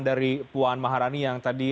dari puan maharani yang tadi